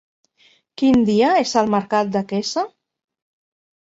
Quin dia és el mercat de Quesa?